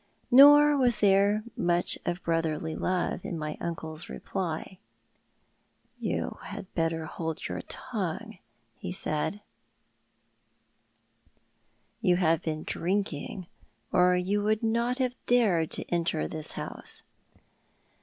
Nor was there much of brotherly love in my uncle's reply. '' You had better hold your tongue," he said. " Xou have 252 • TJiou art tJie Man. been drinking, or you would not have dared to enter this house."